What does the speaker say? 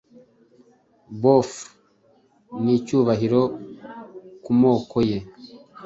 Beowulf nicyubahiro kumoko ye